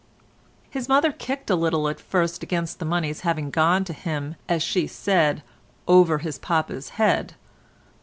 His mother kicked a little at first against the money's having gone to him as she said "over his papa's head."